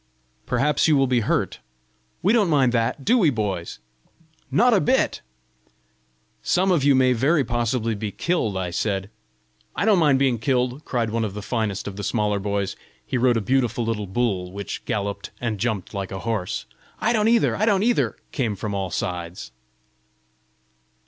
"Perhaps you will be hurt!" "We don't mind that! Do we, boys?" "Not a bit!" "Some of you may very possibly be killed!" I said. "I don't mind being killed!" cried one of the finest of the smaller boys: he rode a beautiful little bull, which galloped and jumped like a horse. "I don't either! I don't either!" came from all sides.